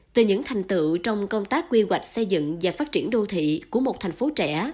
từ những thành tựu trong công tác quy hoạch xây dựng và phát triển đô thị của một thành phố trẻ